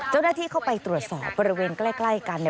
เจ้าหน้าที่เข้าไปตรวจสอบบริเวณใกล้กัน